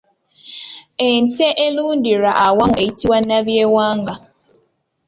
Ente erundirwa awamu eyitibwa nabyewanga.